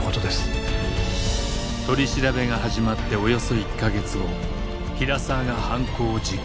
取り調べが始まっておよそ１か月後平沢が犯行を自供。